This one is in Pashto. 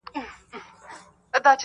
نو هغه ټول زمونږ یاد